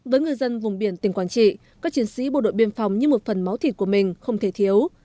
với người dân vùng biển tỉnh quảng trị các chiến sĩ bộ đội biên phòng như một phần máu thịt của mình không thể thiếu